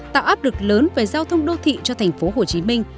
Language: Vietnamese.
tạo áp lực lớn về giao thông đô thị cho thành phố hồ chí minh